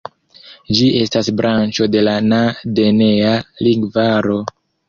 Ĝi estas branĉo de la Na-denea lingvaro.